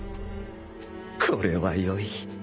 これは良い